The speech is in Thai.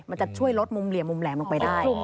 มันจะช่วยลดมุมเหลี่ยมุมแหลมลงไปได้